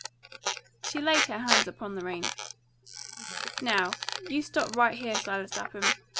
She laid her hands on the reins. "Now, you stop right here, Silas Lapham!